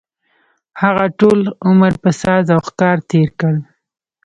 هغه ټول عمر په ساز او ښکار تېر کړ.